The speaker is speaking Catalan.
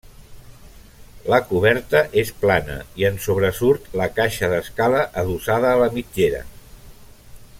La coberta és plana i en sobresurt la caixa d'escala adossada a la mitgera.